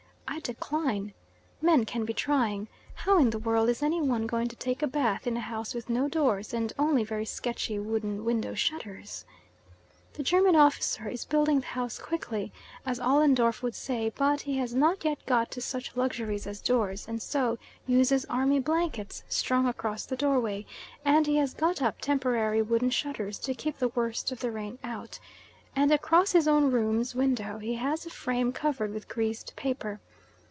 I decline. Men can be trying! How in the world is any one going to take a bath in a house with no doors, and only very sketchy wooden window shutters? The German officer is building the house quickly, as Ollendorff would say, but he has not yet got to such luxuries as doors, and so uses army blankets strung across the doorway; and he has got up temporary wooden shutters to keep the worst of the rain out, and across his own room's window he has a frame covered with greased paper.